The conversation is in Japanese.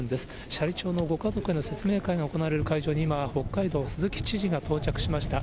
斜里町のご家族の説明会が行われる会場に今、北海道、鈴木知事が到着しました。